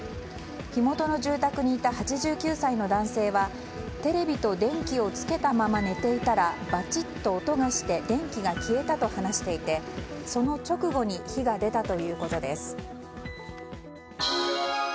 火元の住宅にいた８９歳の男性はテレビと電気をつけたまま寝ていたらバチッと音がして電気が消えたと話していて、その直後に火が出たということです。